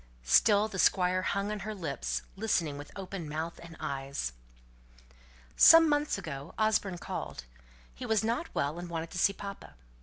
Still the Squire hung on her lips, listening with open mouth and eyes. "Some months ago Osborne called. He was not well, and wanted to see papa.